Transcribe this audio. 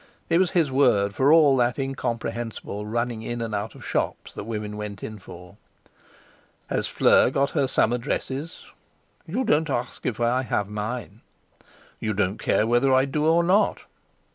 It was his word for all that incomprehensible running in and out of shops that women went in for. "Has Fleur got her summer dresses?" "You don't ask if I have mine." "You don't care whether I do or not."